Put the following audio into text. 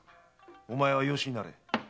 おまえは養子になれ。